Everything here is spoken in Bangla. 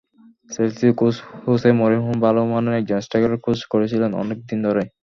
চেলসির কোচ হোসে মরিনহো ভালো মানের একজন স্ট্রাইকারের খোঁজ করছিলেন অনেক দিন ধরেই।